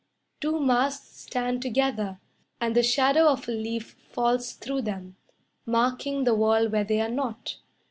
Two masks stand together, And the shadow of a leaf falls through them, Marking the wall where they are not.